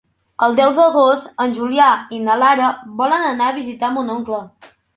El deu d'agost en Julià i na Lara volen anar a visitar mon oncle.